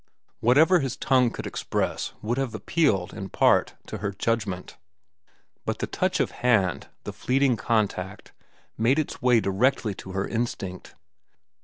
Whatever his tongue could express would have appealed, in part, to her judgment; but the touch of hand, the fleeting contact, made its way directly to her instinct.